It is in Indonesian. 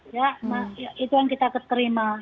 ya itu yang kita terima